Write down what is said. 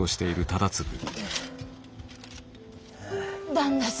旦那様。